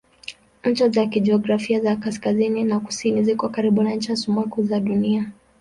Ncha za kijiografia za kaskazini na kusini ziko karibu na ncha sumaku za Dunia.